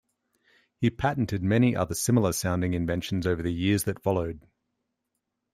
He patented many other similar-sounding inventions over the years that followed.